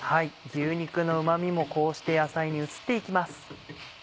牛肉のうま味もこうして野菜に移って行きます。